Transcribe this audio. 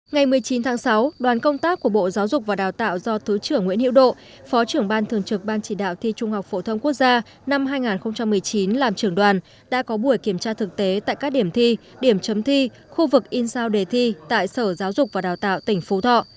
ngày một mươi chín tháng sáu đoàn công tác của bộ giáo dục và đào tạo do thứ trưởng nguyễn hiệu độ phó trưởng ban thường trực ban chỉ đạo thi trung học phổ thông quốc gia năm hai nghìn một mươi chín làm trưởng đoàn đã có buổi kiểm tra thực tế tại các điểm thi điểm chấm thi khu vực in sao đề thi tại sở giáo dục và đào tạo tỉnh phú thọ